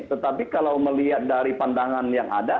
tetapi kalau melihat dari pandangan yang ada